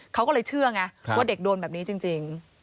เขาก็เลยเชื่อไงว่าเด็กโดนแบบนี้จริง